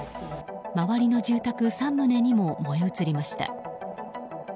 周りの住宅３棟にも燃え移りました。